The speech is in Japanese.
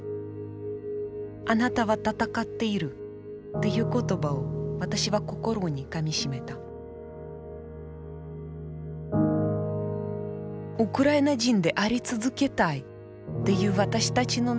「あなたは戦っている」という言葉を私は心にかみしめたウクライナ人であり続けたいという私たちの願い。